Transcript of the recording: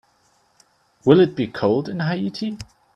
Will it be cold in Haiti?